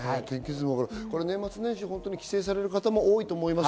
年末年始、帰省される方も多いと思います。